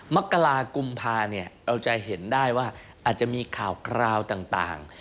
มกรากุมภาเนี่ยเราจะเห็นได้ว่าอาจจะมีข่าวคราวต่าง